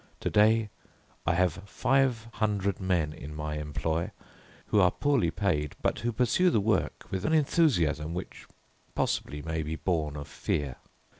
To day I have five hundred men in my employ, who are poorly paid, but who pursue the work with an enthusiasm which possibly may be born of fear.